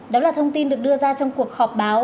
đó là thông tin được đưa ra trong cuộc họp báo